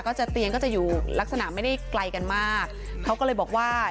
เตียงก็จะอยู่ลักษณะไม่ได้ไกลกันมากเขาก็เลยบอกว่า